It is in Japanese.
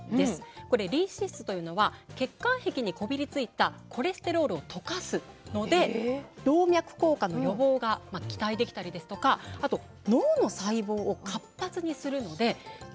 これリン脂質というのは血管壁にこびりついたコレステロールを溶かすので動脈硬化の予防が期待できたりですとかあと脳の細胞を活発にするので認知症予防の効果も期待できると。